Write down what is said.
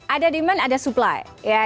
ada demand ada supply